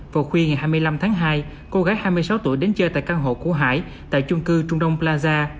vào khuya ngày hai mươi năm tháng hai cô gái hai mươi sáu tuổi đến chơi tại căn hộ của hải tại chung cư trung đông plaza